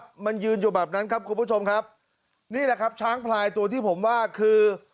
มันยืนอยู่แบบนั้นครับคุณผู้ชมครับนี่แหละครับช้างพลายตัวที่ผมว่าคือ